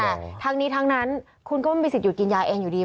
แต่ทั้งนี้ทั้งนั้นคุณก็ไม่มีสิทธิ์กินยาเองอยู่ดี